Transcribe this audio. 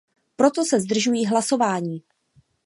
Proto se zdržuji hlasování.